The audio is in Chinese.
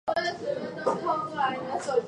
贾宝玉则总是敬陪末座。